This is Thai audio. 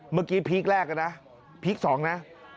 เมื่อกี้พีคแรกนะพีค๒นะ